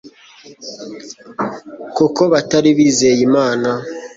kuko batari bizeye Imana